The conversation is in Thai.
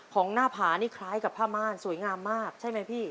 หน้าผานี่คล้ายกับผ้าม่านสวยงามมากใช่ไหมพี่